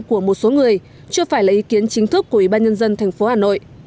của một số người chưa phải là ý kiến chính thức của ủy ban nhân dân tp hà nội